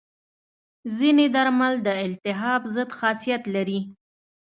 ځینې درمل د التهاب ضد خاصیت لري.